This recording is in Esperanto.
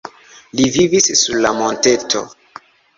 Li vivas sur la monteto.